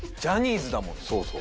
そうそう。